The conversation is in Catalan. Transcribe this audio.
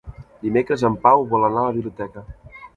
Dimecres en Pau vol anar a la biblioteca.